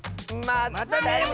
まったね！